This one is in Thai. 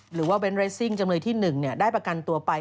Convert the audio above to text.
หรือว่าเบนท์เรสซิงฯจำนวนลยที่๑ได้ประกันตัวไป